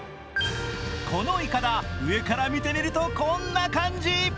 このいかだ、上から見てみるとこんな感じ。